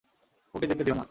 ওকে যেতে দিও না।